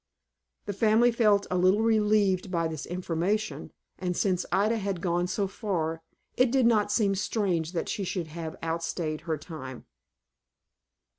The family felt a little relieved by this information; and, since Ida had gone so far, it did not seem strange that she should have outstayed her time.